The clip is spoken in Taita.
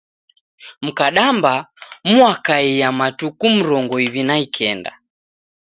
Mkadamba muakaia matuku mrongo iw'i na ikenda.